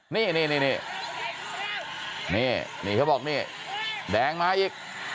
นี่นี่นี่นี่นี่นี่เขาบอกนี่แดงมาอีก